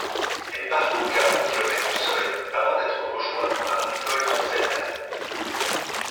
Elle parcourt quarante kilomètres seule avant d'être rejointe par Nicole Hanselmann.